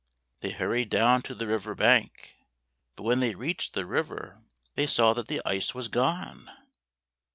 They hurried down to the river bank, but when they reached the river they saw that the ice was gone!